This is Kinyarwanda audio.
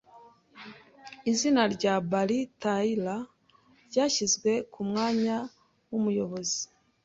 Izina rya Barry Taylor ryashyizwe ku mwanya w’umuyobozi.